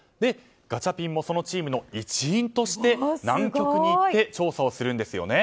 ガチャピンもそのチームの一員として南極に行って調査をするんですよね。